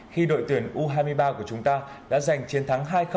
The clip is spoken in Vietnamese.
khi đội tuyển u hai mươi ba của chúng ta đã giành chiến thắng hai